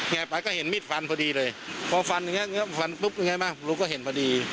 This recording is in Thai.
แง่ไปก็เห็นมิดฟันพอดีเลยพอฟันปุ๊บรถก็เห็นพอดี